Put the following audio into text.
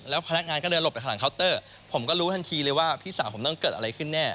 พนักงานก็เดินหลบไปข้างหลังเคาน์เตอร์ผมก็รู้ทันทีเลยว่าพี่สาวผมต้องเกิดอะไรขึ้นแน่